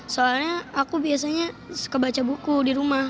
soalnya aku biasanya suka baca buku di rumah